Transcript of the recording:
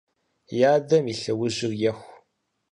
И адэм и лъэужьыр еху.